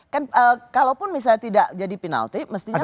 kan kalaupun misalnya tidak jadi penalty